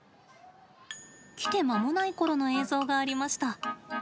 来てまもないころの映像がありました。